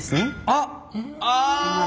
あっああ！